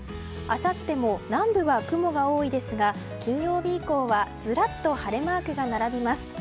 あさっても南部は雲が多いですが金曜日以降はずらっと晴れマークが並びます。